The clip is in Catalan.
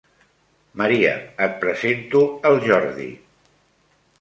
Maria, et presento el Jordi.